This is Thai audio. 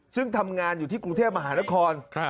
ซึ่งทำงานอยู่ที่กรุงเทพมหานคร